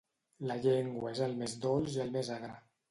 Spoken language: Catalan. La llengua és el més dolç i el més agre.